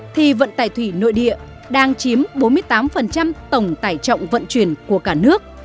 thì vận tải thủy nội địa đang chiếm bốn mươi tám tổng tải trọng vận chuyển của cả nước